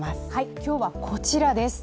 今日はこちらです。